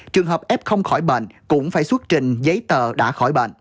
trường hợp f không khỏi bệnh cũng phải xuất trình giấy tờ đã khỏi bệnh